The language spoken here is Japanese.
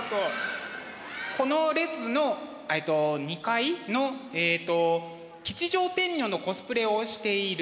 この列の２階のえっと吉祥天女のコスプレをしているはい。